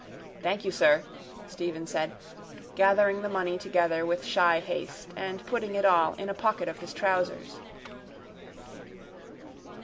—Thank you, sir, Stephen said, gathering the money together with shy haste and putting it all in a pocket of his trousers.